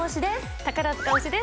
宝塚推しです。